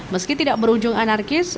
meski tidak berujung anarkis